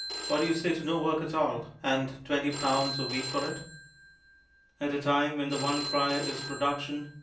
What do you say to no work at all, and £20 a week for it?" At a time when the one cry is "Production!"